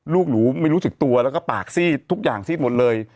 ลูกหนูไม่รู้สึกตัวแล้วก็ปากซีดทุกอย่างซีดหมดเลย